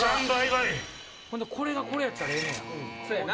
ほんでこれがこれやったらええんや。